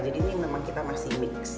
jadi ini memang kita masih mix